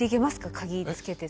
鍵つけて。